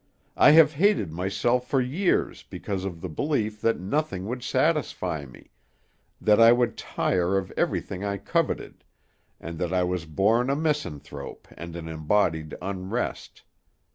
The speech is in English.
I have hated myself for years because of the belief that nothing would satisfy me; that I would tire of everything I coveted, and that I was born a misanthrope and an embodied unrest.